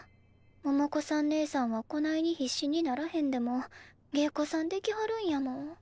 百子さんねえさんはこないに必死にならへんでも芸妓さんできはるんやもん。